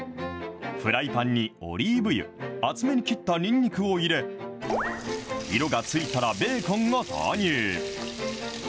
フライパンにオリーブ油、厚めに切ったニンニクを入れ、色がついたらベーコンを投入。